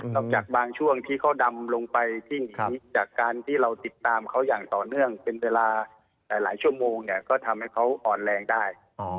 จากบางช่วงที่เขาดำลงไปที่หนีจากการที่เราติดตามเขาอย่างต่อเนื่องเป็นเวลาหลายชั่วโมงเนี่ยก็ทำให้เขาอ่อนแรงได้